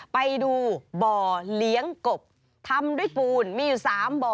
ไปดูบ่อเลี้ยงกบทำด้วยปูนมีอยู่๓บ่อ